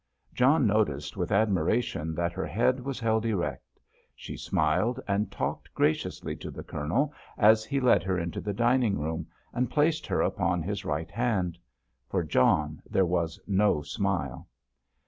John noticed with admiration that her head was held erect. She smiled and talked graciously to the Colonel as he led her into the dining room and placed her upon his right hand. For John there was no smile.